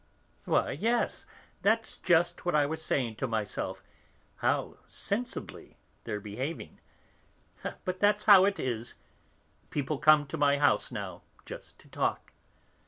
"Why, yes, that's just what I was saying to myself, how sensibly they're behaving! But that's how it is! People come to my house now, just to talk.